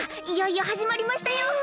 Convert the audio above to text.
いよいよはじまりましたよ！